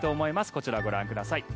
こちらご覧ください。